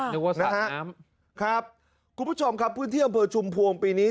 นึกว่านะฮะน้ำครับคุณผู้ชมครับพื้นที่อำเภอชุมพวงปีนี้